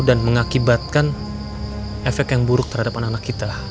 dan mengakibatkan efek yang buruk terhadap anak anak kita